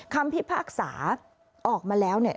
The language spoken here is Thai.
คำพี่ภาคสาออกมาแล้ว